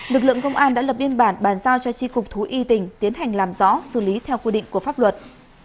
lực lượng công an đã lập biên bản bàn giao cho tri cục thú y tỉnh tiến hành làm rõ xử lý theo quy định của pháp luật